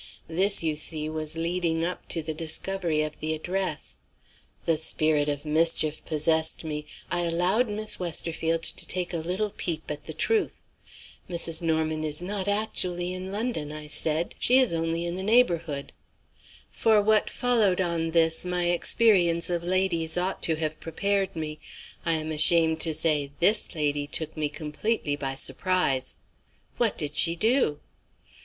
This, you see, was leading up to the discovery of the address. The spirit of mischief possessed me; I allowed Miss Westerfield to take a little peep at the truth. 'Mrs. Norman is not actually in London,' I said; 'she is only in the neighborhood.' For what followed on this, my experience of ladies ought to have prepared me. I am ashamed to say this lady took me completely by surprise." "What did she do?"